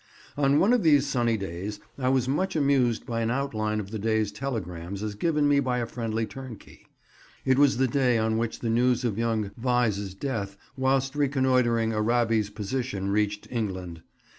On one of these sunny days I was much amused by an outline of the day's telegrams as given me by a friendly turnkey. It was the day on which the news of young Vyse's death whilst reconnoitring Arabi's position reached England.